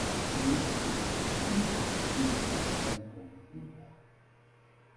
Es el hijo de Enlil y está casado con Gula.